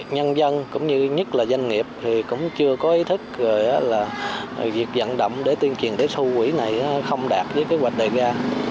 nhân dân cũng như nhất là doanh nghiệp thì cũng chưa có ý thức là việc dặn đậm để tuyên truyền tới thu quỹ này không đạt với kế hoạch đề ra